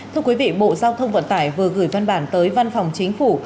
thưa quý vị bộ giao thông vận tải vừa gửi văn bản tới văn phòng chính phủ